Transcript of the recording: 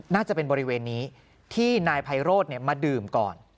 น่าจะเป็นบริเวณนี้ที่นายไพโรธมาดื่มก่อน